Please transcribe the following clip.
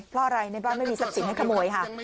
เพราะอะไรในบ้านไม่มีทรัพย์สินให้ขโมยค่ะ